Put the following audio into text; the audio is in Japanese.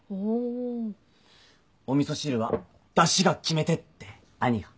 お味噌汁はだしが決め手って兄が。